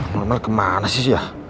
nonmel kemana sih ya